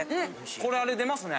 これあれ出ますね。